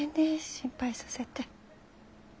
心配させて。